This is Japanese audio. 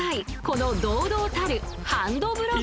この堂々たる］